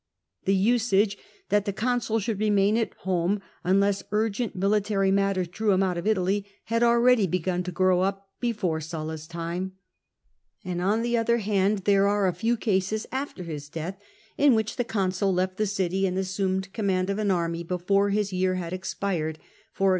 The usage that the consul should remain at home, unless urgent military affairs drew him out of Italy, had already begun to grow up before Sulla's time. And on the other hand there are a few cases after his death in which the consul left the city and assumed command of an army before his year had expired — e.g.